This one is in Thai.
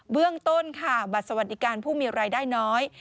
เรื่องต้นค่ะบัตรสวัสดิการผู้มีรายได้น้อย